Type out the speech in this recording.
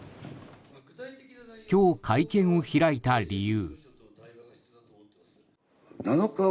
今日、会見を開いた理由。